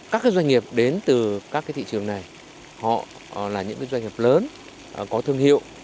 các doanh nghiệp đến từ các thị trường này họ là những doanh nghiệp lớn có thương hiệu